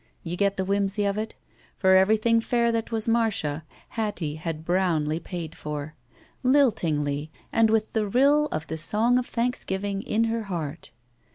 You get the whimsy of it? For ever3rthing fair that was Marda, Hattie had brownly paid for. Liltingly, and with the rill of the song of thanks giving i her heart.